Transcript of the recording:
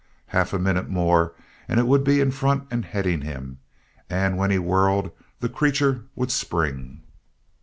Half a minute more and it would be in front and heading him, and when he whirled the creature would spring.